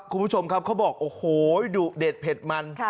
คุณผู้ชมครับเขาบอกโอ้โหดุเด็ดเผ็ดมัน